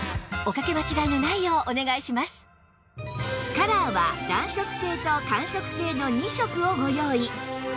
カラーは暖色系と寒色系の２色をご用意